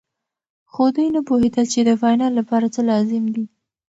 خو دوی نه پوهېدل چې د فاینل لپاره څه لازم دي.